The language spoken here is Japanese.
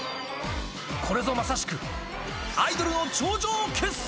これぞまさしく、アイドルの頂上決戦。